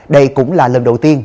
đây cũng là lần đầu tiên